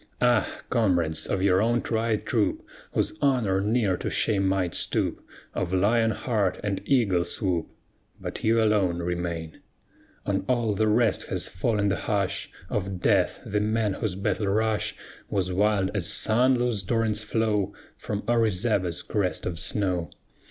Ah, comrades, of your own tried troop, Whose honor ne'er to shame might stoop, Of lion heart and eagle swoop, But you alone remain; On all the rest has fallen the hush Of death; the men whose battle rush Was wild as sun loosed torrent's flow From Orizaba's crest of snow.